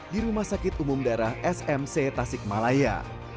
di rumah sakit umum daerah smc tasik malaya